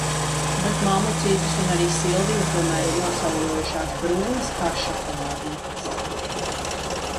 Bet mammucītis un arī Silvija tomēr ir nosauļojušās brūnas kā šokolādītes.